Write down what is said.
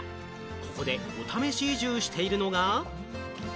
ここでお試し移住しているのが。